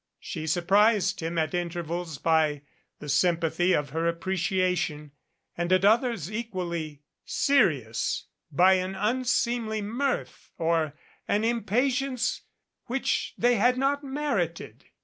She surprised him at intervals by the sym pathy of her appreciation, and at others equally serious by an unseemly mirth or an impatience which they had not merited.